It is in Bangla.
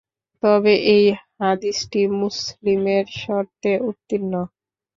তবে এ হাদীসটি মুসলিমের শর্তে উত্তীর্ণ।